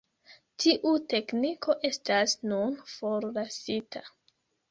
Tiu tekniko estas nun forlasita.